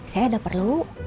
saya udah perlu